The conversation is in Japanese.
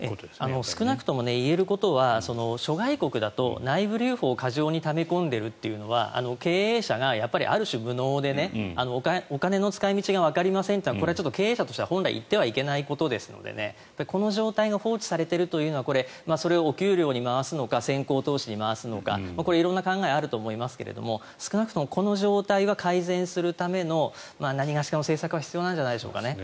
少なくとも言えることは諸外国だと内部留保を過剰にため込んでいるのは経営者がある種、無能でお金の使い道がわかりませんってこれは経営者としては本来言ってはいけないことなのでこの状態が放置されているというのはそれをお給料に回すのか先行投資に回すのかこれは色んな考えがあると思いますが少なくともこの状況を改善するためのなにがしかの政策は必要なんじゃないでしょうか。